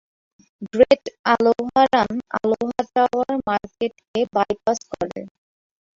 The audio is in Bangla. Great Aloha run Aloha tower মার্কেটকে বাইপাস করে।